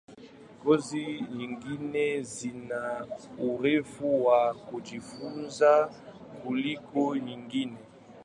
Kozi nyingine zina urefu wa kujifunza kuliko nyingine.